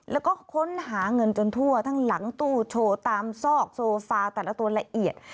แล้วก็ค้นหาเงินจนทั่วทั้งหลังตู้โชว์ตามซอกโซฟาแต่ละตัวละเอียด